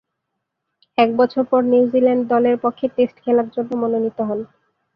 এক বছর পর নিউজিল্যান্ড দলের পক্ষে টেস্ট খেলার জন্যে মনোনীত হন।